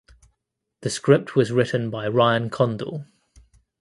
The script was written by Ryan Condal.